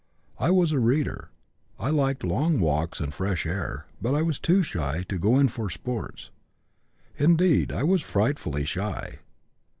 I was a reader. I liked long walks and fresh air, but I was too shy to go in for sports. Indeed I was frightfully shy.